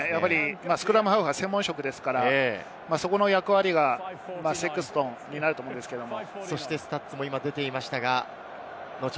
スクラムハーフは専門職ですから、その役割がセクストンになると思うんですけれども。